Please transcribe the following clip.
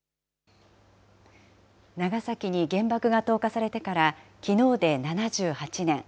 長崎に原爆が投下されてから、きのうで７８年。